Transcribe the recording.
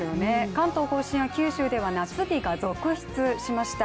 関東甲信や九州では夏日が続出しました。